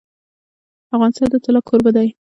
افغانستان د طلا کوربه دی.